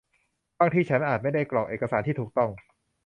บางทีฉันอาจไม่ได้กรอกเอกสารที่ถูกต้อง